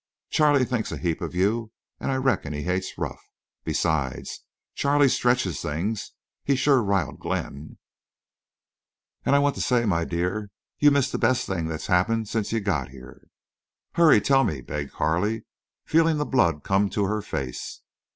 Charley thinks a heap of you an' I reckon he hates Ruff. Besides, Charley stretches things. He shore riled Glenn, an' I want to say, my dear, you missed the best thing that's happened since you got here." "Hurry—tell me," begged Carley, feeling the blood come to her face.